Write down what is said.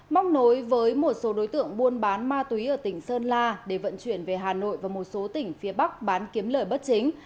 móc nối với một số đối tượng buôn bán ma túy ở tỉnh sơn la để vận chuyển về hà nội và một số tỉnh phía bắc bán kiếm lời bất chính